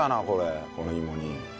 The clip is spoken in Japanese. これこの芋煮。